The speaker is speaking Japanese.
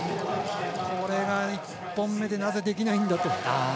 これが１本目でなぜ、できないんだと。